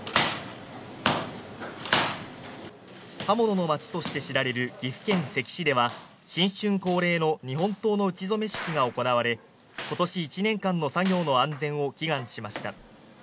刃物の町として知られる岐阜県関市では、新春恒例の日本刀の打ち初め式が行われ、今年１年間の作業の安全を祈願しました。